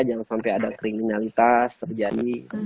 jangan sampai ada kriminalitas terjadi